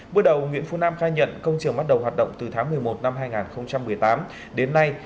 bước đầu nguyễn phú nam khai nhận công trường bắt đầu hoạt động từ tháng một mươi một năm hai nghìn một mươi tám đến nay